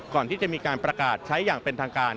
ก่อนที่จะมีการประกาศใช้อย่างเป็นทางการ